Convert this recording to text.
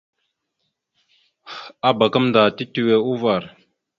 Abak gamənda titewe uvar.